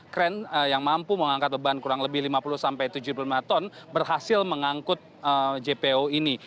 kren yang mampu mengangkat beban kurang lebih lima puluh sampai tujuh puluh lima ton berhasil mengangkut jpo ini